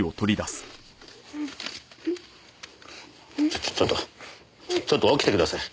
ちょちょちょっとちょっと起きてください。